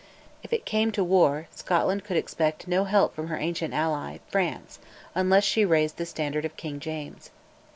If it came to war, Scotland could expect no help from her ancient ally, France, unless she raised the standard of King James.